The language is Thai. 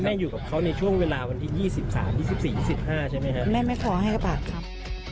แม่อยู่กับเขาในช่วงเวลา๒๒วันมีแม่ไม่ครอบครับ